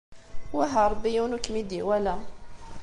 Wah a Ṛebbi yiwen ur kem-id-iwala.